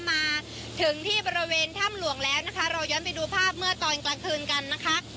มาถึงที่บริเวณถ้ำหลวงแล้วนะคะเราย้อนไปดูภาพเมื่อตอนกลางคืนกันนะคะ